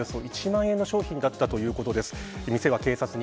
およそ１万円の商品だったということです。